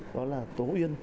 đó là tố uyên